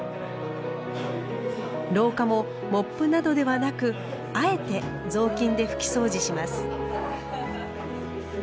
廊下もモップなどではなくあえて雑巾で拭きそうじします。